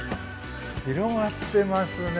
広がってますね。